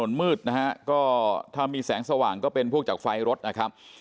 มืดนะฮะก็ถ้ามีแสงสว่างก็เป็นพวกจากไฟรถนะครับ